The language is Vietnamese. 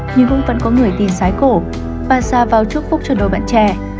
nhưng cũng vẫn có người tin sái cổ và xa vào chúc phúc cho đôi bạn trẻ